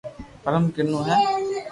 پرم ڪنو ھي